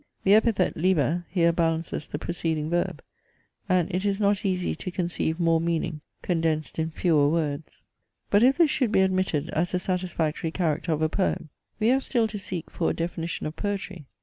The epithet, liber, here balances the preceding verb; and it is not easy to conceive more meaning condensed in fewer words. But if this should be admitted as a satisfactory character of a poem, we have still to seek for a definition of poetry.